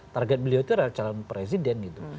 target beliau itu adalah calon presiden gitu